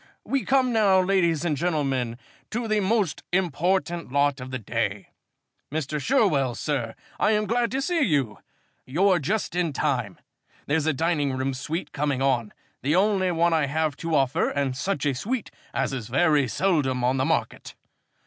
... We come now, ladies and gentlemen, to the most important lot of the day. Mr. Sherwell, sir, I am glad to see you. You're just in time. There's a dining room suite coming on, the only one I have to offer, and such a suite as is very seldom on the market.